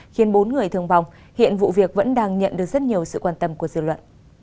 khiến bốn người thương vong hiện vụ việc vẫn đang nhận được rất nhiều sự quan tâm của dư luận